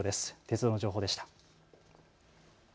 鉄道の情報でした。